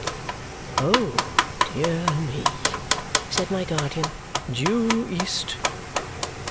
"Oh, dear me!" said my guardian. "Due east!"